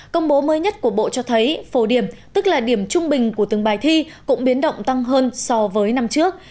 công bố mới nhất của bộ cho thấy phổ điểm tức là điểm trung bình của từng bài thi cũng biến động tăng hơn so với năm trước